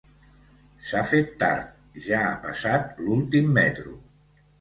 S'ha fet tard, ja ha passat l'últim metro.